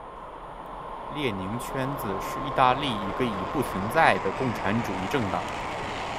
列宁圈子是意大利的一个已不存在的共产主义政党。